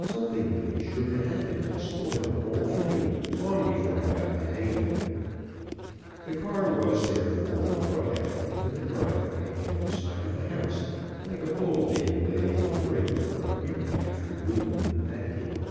Something would be sure to happen to spoil the whole thing long before I got the hang of it. The car was, therefore, brought out into the driveway at the side of the house, like a bull being led into the ring for a humid afternoon with the matador.